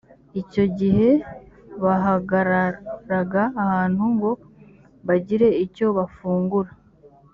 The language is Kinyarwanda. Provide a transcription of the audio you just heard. icyo igihe bahagararaga ahantu ngo bagire icyo bafungura